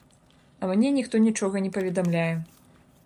А мне ніхто нічога не паведамляе.